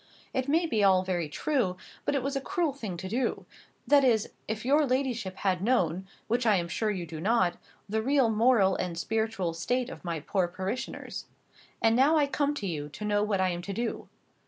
It may be all very true; but it was a cruel thing to do,—that is, if your ladyship had known (which I am sure you do not) the real moral and spiritual state of my poor parishioners. And now I come to you to know what I am to do.